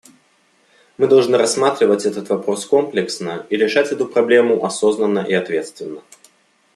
Мы должны рассматривать этот вопрос комплексно и решать эту проблему осознанно и ответственно.